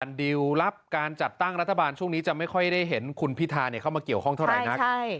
จัดตั้งรัฐบาลช่วงนี้จะไม่ค่อยได้เห็นคุณพิธาเข้ามาเกี่ยวข้องเท่าไหร่นัก